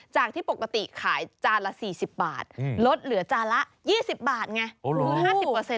จากที่ปกติขายจานละ๔๐บาทลดเหลือจานละ๒๐บาทไงคือ๕๐